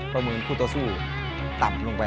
ประเมินคู่ต่อสู้ต่ำลงไป